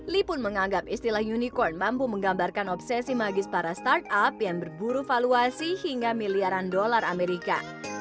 lee pun menganggap istilah unicorn mampu menggambarkan obsesi magis para startup yang berburu valuasi hingga miliaran dolar amerika